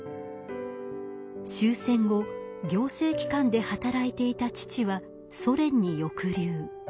終戦後行政機関で働いていた父はソ連に抑留。